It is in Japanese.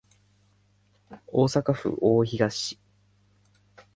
大阪府大東市